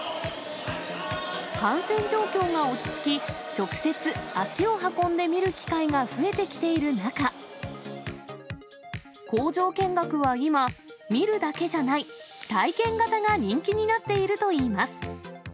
感染状況が落ち着き、直接足を運んでみる機会が増えてきている中、工場見学は今、見るだけじゃない、体験型が人気になっているといいます。